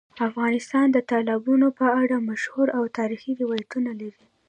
افغانستان د تالابونو په اړه مشهور تاریخی روایتونه لري.